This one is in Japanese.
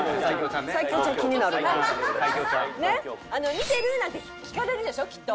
「見てる？」なんて聞かれるでしょきっと。